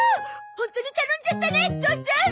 ホントに頼んじゃったね父ちゃん！